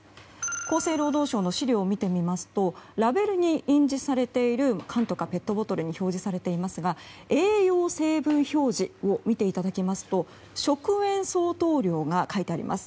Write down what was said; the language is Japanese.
厚生労働省の資料を見てみますとラベルに印字されている缶とかペットボトルに表示されていますが栄養成分表示を見ていただきますと食塩相当量が書いてあります。